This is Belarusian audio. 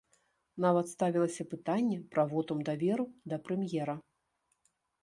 Нават ставілася пытанне пра вотум даверу да прэм'ера.